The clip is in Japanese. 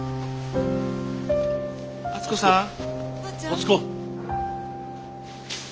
敦子。